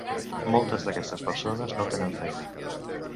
Moltes d'aquestes persones no tenen feina.